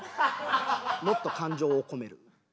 もっと感情を込める？